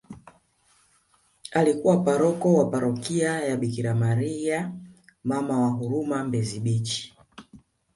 Alikuwa paroko wa parokia ya Bikira maria Mama wa huruma mbezi baech